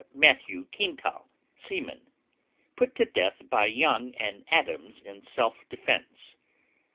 MATTHEW QUINTAL, seaman, put to death by Young and Adams in self defence.